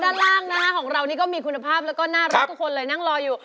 ด้านล่างนะคะของเรานี่ก็มีคุณภาพแล้วก็น่ารักทุกคนเลยนั่งรออยู่